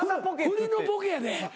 フリのボケやで。